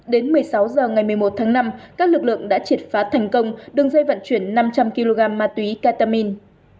đến một mươi sáu h ngày một mươi một tháng năm các lực lượng đã triệt phá thành công đường dây vận chuyển năm trăm linh kg ma túy ketamin